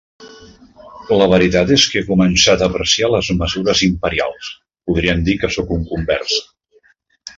La veritat és que he començat a apreciar les mesures imperials. Podríem dir que sóc un convers.